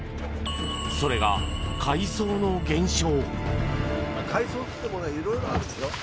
それが海藻の減少。